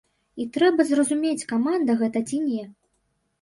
І трэба зразумець, каманда гэта ці не.